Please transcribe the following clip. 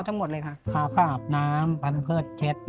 ทำหาก่าอาบน้ำพัมพ์เพลิงเช็ด